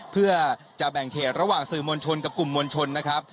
เพื่อจะแบ่งเขตระหว่างสื่อมวลชนกับกลุ่มมวลชนนะครับ